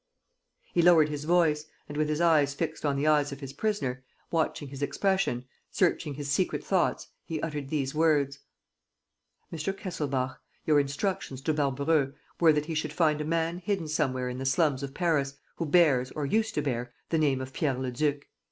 He lowered his voice and, with his eyes fixed on the eyes of his prisoner, watching his expression, searching his secret thoughts, he uttered these words: "Mr. Kesselbach, your instructions to Barbareux were that he should find a man hidden somewhere in the slums of Paris who bears or used to bear the name of Pierre Leduc.